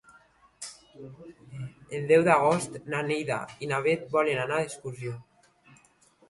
El deu d'agost na Neida i na Bet volen anar d'excursió.